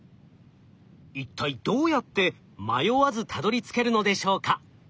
一体どうやって迷わずたどりつけるのでしょうか？